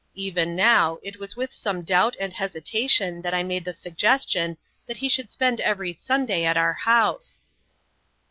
Even now it was with some doubt and hesitation that I made the suggestion that he should spend every Sunday at our house.